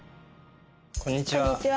こんにちは。